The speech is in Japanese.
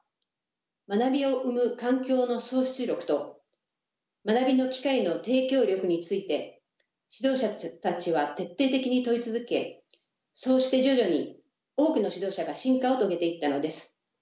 「学びを生む環境の創出力」と「学びの機会の提供力」について指導者たちは徹底的に問い続けそうして徐々に多くの指導者が進化を遂げていったのです。